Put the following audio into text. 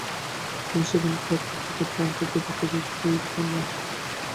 তিনি সেখানকার প্রখ্যাত প্লান্টার ও টোবাকো ব্যবসায়ীর কন্যা।